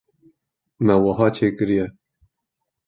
me wiha çêkiriye.